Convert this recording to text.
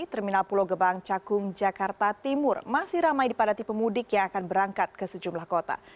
terminal pulau gebang cakung jakarta timur masih ramai dipadati pemudik yang akan berangkat ke sejumlah kota